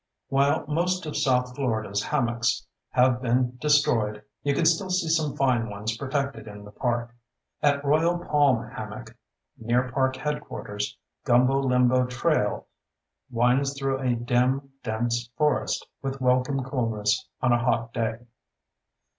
While most of south Florida's hammocks have been destroyed, you can still see some fine ones protected in the park. At Royal Palm Hammock, near park headquarters, Gumbo Limbo Trail winds through a dim, dense forest with welcome coolness on a hot day.